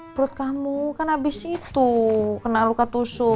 perut kamu kan habis itu kena luka tusuk